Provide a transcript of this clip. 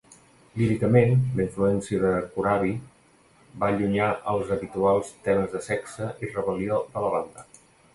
Líricament, la influència de Corabi va allunyar els habituals temes de sexe i rebel·lió de la banda.